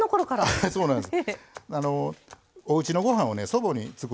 はいそうなんです。